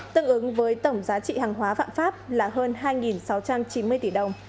tương ứng với tổng giá trị hàng hóa phạm pháp là hơn hai sáu trăm chín mươi tỷ đồng